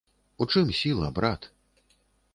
У чым сіла, брат?